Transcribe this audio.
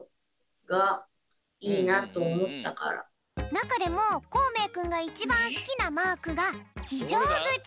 なかでもこうめいくんがいちばんすきなマークがひじょうぐち。